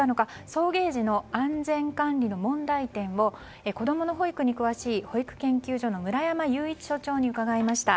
送迎時の安全管理の問題点を子供の保育に詳しい保育研究所の村山祐一所長に伺いました。